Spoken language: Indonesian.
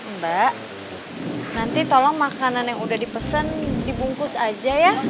mbak nanti tolong makanan yang udah dipesan dibungkus aja ya